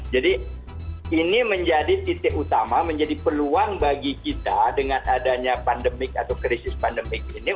jadi ini menjadi titik utama menjadi peluang bagi kita dengan adanya pandemik atau krisis pandemik ini